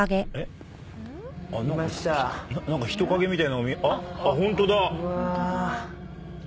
何か人影みたいなあっホントだ。